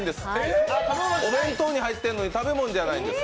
お弁当に入ってるのに食べ物ではないんです。